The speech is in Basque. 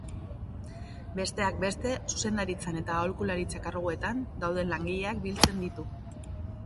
Besteak beste, zuzendaritzan eta aholkularitza karguetan dauden langileak biltzen ditu.